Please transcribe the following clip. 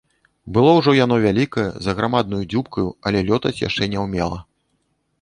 Было ўжо яно вялікае, з аграмаднаю дзюбкаю, але лётаць яшчэ не ўмела.